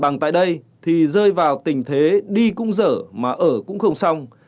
bằng tại đây thì rơi vào tình thế đi cung dở mà ở cũng không xong